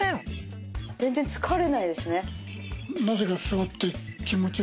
全然疲れないですね。